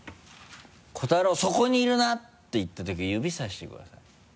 「瑚太郎そこにいるな？」って言ったとき指さしてください。